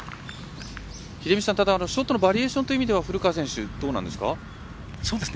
秀道さん、ショットのバリエーションという意味では古川選手どうなんですか？